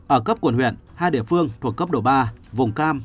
ở cấp quận huyện hai địa phương thuộc cấp độ ba vùng cam